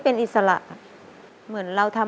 ขอเพียงคุณสามารถที่จะเอ่ยเอื้อนนะครับ